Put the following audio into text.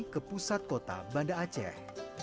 ke pusat kota banda aceh